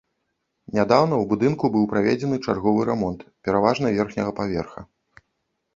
Нядаўна ў будынку быў праведзены чарговы рамонт, пераважна верхняга паверха.